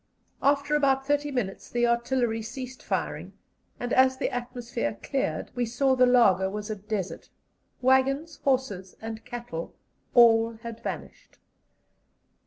After about thirty minutes the artillery ceased firing, and as the atmosphere cleared we saw the laager was a desert. Waggons, horses, and cattle, all had vanished.